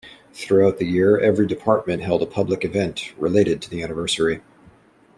Throughout the year, every department held a public event related to the anniversary.